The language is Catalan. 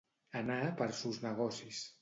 Anar per sos negocis.